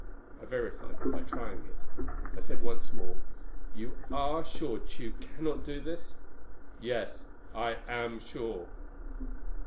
I verified it by trying it. I said once more, "You are sure Tugh cannot do this?" "Yes. I am sure."